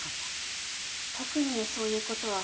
特にそういう事は。